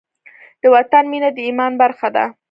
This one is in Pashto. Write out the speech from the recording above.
د وطن مینه د ایمان برخه ده.